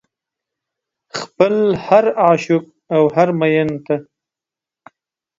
خپل هر عاشق او هر مين ته